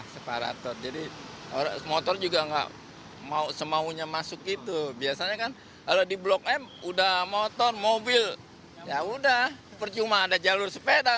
pemprov dki jakarta juga mengeluarkan wacana bagi pesepeda dan wacana denda bagi pesepeda